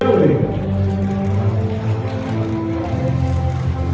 สโลแมคริปราบาล